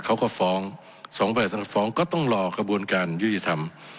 เขาก็ฟ้องฟ้องก็ต้องหลอกกระบวนการยุติธรรม